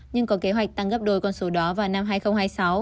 nhưng có kế hoạch tăng gấp đôi con số đó vào năm hai nghìn hai mươi sáu